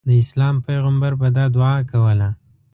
د اسلام پیغمبر به دا دعا کوله.